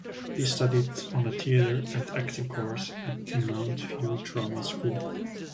He studied on a theatre and acting course at the Mountview Drama School.